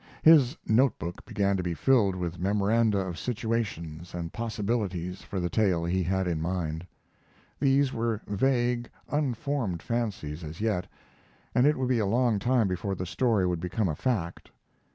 His note book began to be filled with memoranda of situations and possibilities for the tale he had in mind. These were vague, unformed fancies as yet, and it would be a long time before the story would become a fact.